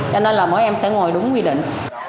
cho nên là bọn em sẽ ngồi đúng quy định